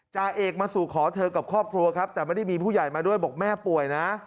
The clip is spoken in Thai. จ่าเอกมาสู่ขอเธอกับครอบครัวครับแต่ไม่ได้มีผู้ใหญ่มาด้วยบอกแม่ป่วยนะ